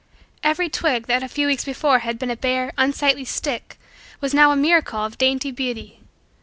Every twig that a few weeks before had been a bare, unsightly stick was now a miracle of dainty beauty.